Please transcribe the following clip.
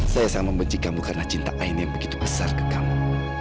saya sangat membenci kamu karena cinta ain yang begitu besar ke kamu